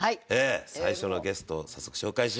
最初のゲストを早速紹介しましょう。